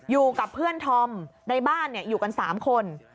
อยู่กับเพื่อนธอมในบ้านอยู่กัน๓คน